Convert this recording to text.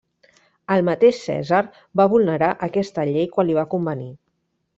El mateix Cèsar va vulnerar aquesta llei quan li va convenir.